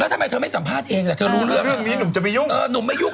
แล้วทำไมเธอไม่สัมภาษณ์เองแต่เธอรู้เรื่อง